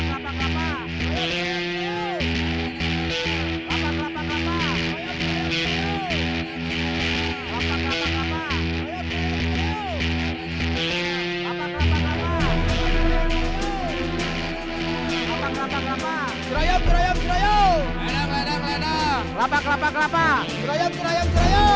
surayam surayam surayam